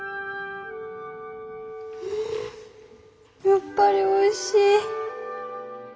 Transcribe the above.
やっぱりおいしい！